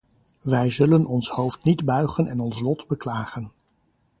Wij zullen ons hoofd niet buigen en ons lot beklagen.